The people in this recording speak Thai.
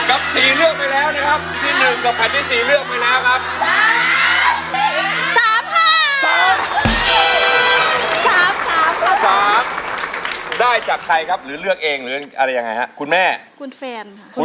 อะไรจะประมาทสัญญาดีใจคือเสียงหลั่นมาก